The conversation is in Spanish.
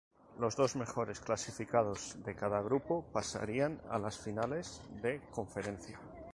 Los dos mejores clasificados de cada grupo pasarían a las Finales de Conferencia.